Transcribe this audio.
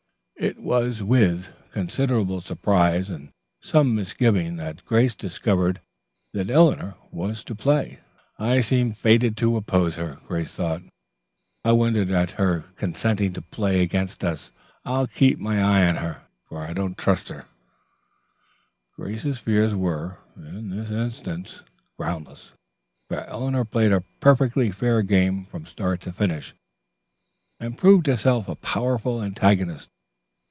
It was with considerable surprise and some misgiving that Grace discovered that Eleanor was to play. "I seem fated to oppose her," Grace thought. "I wonder at her consenting to play against us. I'll keep my eye on her, at any rate, for I don't trust her." Grace's fears were, in this instance, groundless, for Eleanor played a perfectly fair game from start to finish, and proved herself a powerful antagonist.